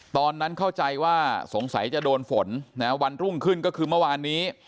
ตอนนั้นเข้าใจว่าสงสัยจะโดนฝนวันรุ่งขึ้นก็คือเมื่อวานนี้